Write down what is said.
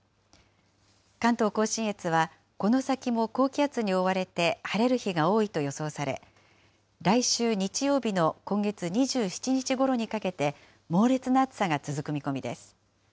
関東甲信越は、この先も高気圧に覆われて、晴れる日が多いと予想され、来週日曜日の今月２７日ごろにかけて、猛烈な暑さが続く見込みです。